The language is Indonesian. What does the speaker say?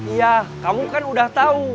iya kamu kan udah tahu